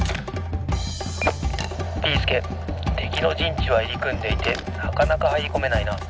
「ビーすけてきのじんちはいりくんでいてなかなかはいりこめないな。